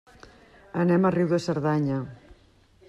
Anem a Riu de Cerdanya.